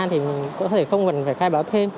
thì có thể không cần phải khai báo thêm